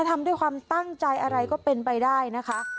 ทำด้วยความตั้งใจอะไรก็เป็นไปได้นะคะ